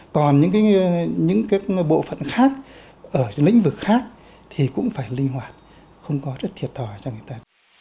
còn những bộ phận khác ở lĩnh vực khác thì cũng phải linh hoạt không có rất thiệt thòi cho người ta